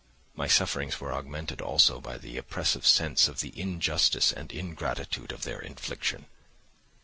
My sufferings were augmented also by the oppressive sense of the injustice and ingratitude of their infliction.